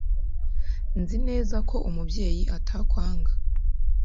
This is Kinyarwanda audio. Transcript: Nzi neza ko Umubyeyi atakwanga.